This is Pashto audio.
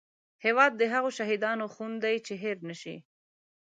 هیواد د هغو شهیدانو خون دی چې هېر نه شي